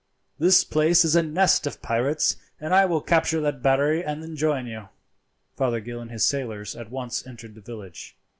This place is a nest of pirates. I will capture that battery and then join you." Fothergill and his sailors at once entered the village.